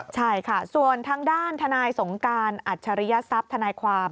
ใช่ค่ะส่วนทางด้านทนายสงการอัจฉริยศัพย์ทนายความ